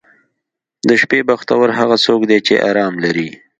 • د شپې بختور هغه څوک دی چې آرام لري.